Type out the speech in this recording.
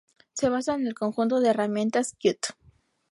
Se basa en el conjunto de herramientas Qt.